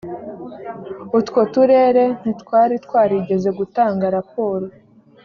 utwo turere ntitwari twarigeze gutanga raporo